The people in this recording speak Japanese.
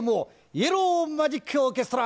イエロー・マジック・オーケストラ！